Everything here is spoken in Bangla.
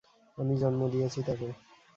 আমি জন্ম দিয়েছি তাকে।